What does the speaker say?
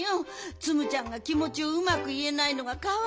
ツムちゃんがきもちをうまくいえないのがかわいそうでね。